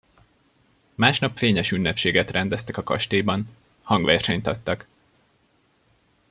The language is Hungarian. Másnap fényes ünnepséget rendeztek a kastélyban: hangversenyt adtak.